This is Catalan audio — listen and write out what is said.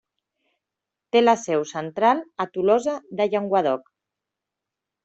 Té la seu central a Tolosa de Llenguadoc.